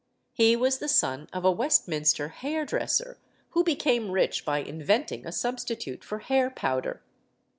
He was the son of a Westminster hairdresser who became rich by inventing a substitute for hair powder.